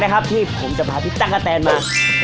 นี่ครับผมเปิดวิธีการเลยครับผม